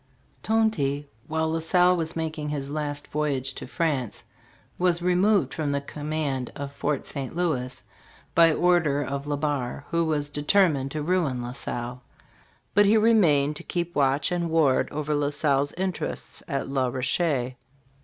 Tonty, while La Salle was making his last voyage to France, was removed from the command of Fort St Louis by order of Le Barre, who was deter mined to ruin La Salle ; but he remained to keep watch and ward over La Salle's interests at La Rocher.